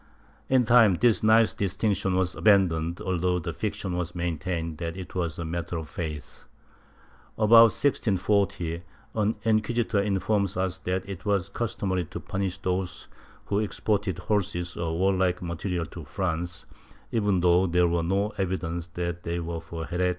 * In time this nice distinction was abandoned, although the fiction was maintained that it was a matter of faith. About 1640, an inquisitor informs us that it was customary to punish those who exported horses or warlike material to France, even though there were no evidence that they were for heretics, for the ' Arcliivo hist, nacional, Inq.